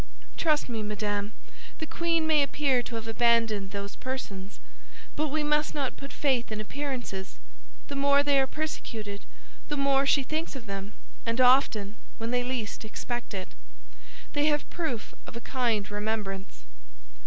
"Trust me, madame; the queen may appear to have abandoned those persons, but we must not put faith in appearances. The more they are persecuted, the more she thinks of them; and often, when they least expect it, they have proof of a kind remembrance."